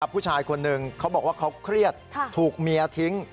ผู้ชายคนหนึ่งเขาบอกว่าเขาเครียดถูกเมียทิ้ง